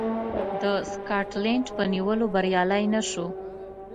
د سکاټلنډ په نیولو بریالی نه شو.